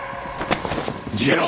逃げろ！